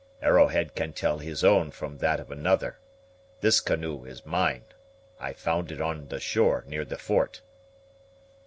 "Arrowhead can tell his own from that of another. This canoe is mine; I found it on the shore near the fort."